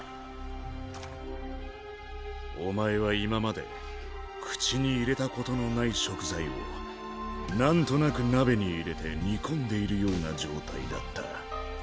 お前は今まで口に入れたことのない食材をなんとなく鍋に入れて煮込んでいるような状態だった。